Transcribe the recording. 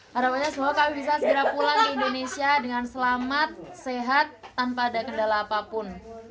harapannya semoga kami bisa segera pulang ke indonesia dengan selamat sehat tanpa ada kendala apapun